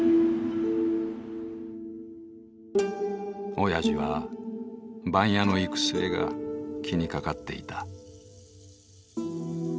おやじは番屋の行く末が気にかかっていた。